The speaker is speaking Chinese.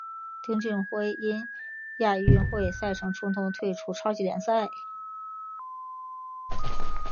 丁俊晖因亚运会赛程冲突退出超级联赛。